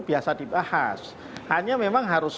biasa dibahas hanya memang harus